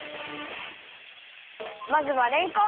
まずはれんこん。